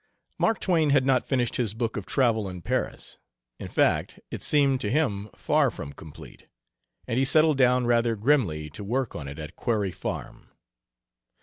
Mark Twain had not finished his book of travel in Paris in fact, it seemed to him far from complete and he settled down rather grimly to work on it at Quarry Farm.